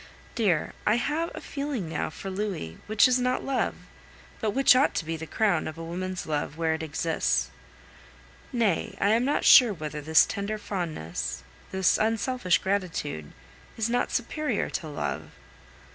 Dear, I have a feeling now for Louis which is not love, but which ought to be the crown of a woman's love where it exists. Nay, I am not sure whether this tender fondness, this unselfish gratitude, is not superior to love.